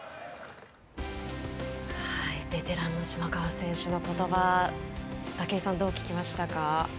ベテランの島川選手のことば武井さん、どう聞きましたか？